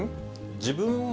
自分も？